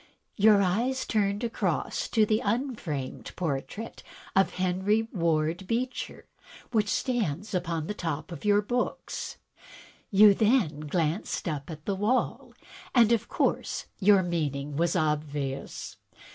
Your eyes turned across to the un framed portrait of Henry Ward Beecher which stands upon the top of your books. You then glanced up at the wall, and of course your meaning was obvious.